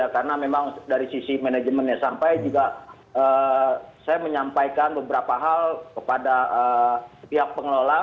karena memang dari sisi manajemennya sampai juga saya menyampaikan beberapa hal kepada pihak pengelola